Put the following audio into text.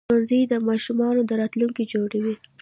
ښوونځي د ماشومانو راتلونکي جوړوي